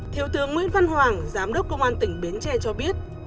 thiếu tướng nguyễn văn hoàng giám đốc công an tỉnh bến tre cho biết